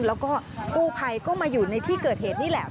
แล้วก็กู้ภัยก็มาอยู่ในที่เกิดเหตุนี่แหละ